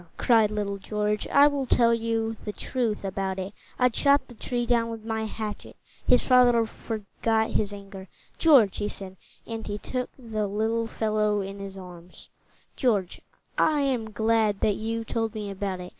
cried little George. "I will tell you the truth about it. I chopped the tree down with my hatchet." His father forgot his anger. "George," he said, and he took the little fellow in his arms, "George, I am glad that you told me about it.